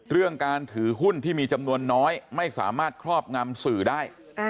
เรื่องการถือหุ้นที่มีจำนวนน้อยไม่สามารถครอบงำสื่อได้